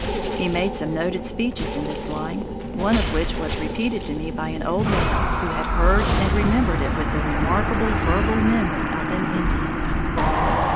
He made some noted speeches in this line, one of which was repeated to me by an old man who had heard and remembered it with the remarkable verbal memory of an Indian.